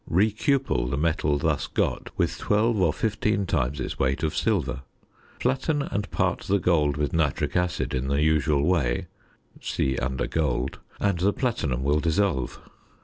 Re cupel the metal thus got with 12 or 15 times its weight of silver, flatten and part the gold with nitric acid in the usual way (see under Gold), and the platinum will dissolve.